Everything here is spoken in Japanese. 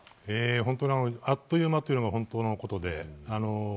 本当、あっという間というのは本当のことで。